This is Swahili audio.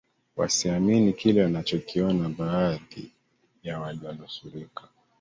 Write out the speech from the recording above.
wasiamini kile wanachokiona baadhi ya walionusurika